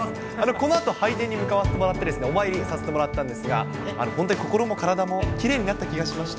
このあと、拝殿に向かわせていただいてお参りをさせてもらったんですが、本当に心も体もきれいになった気がしました。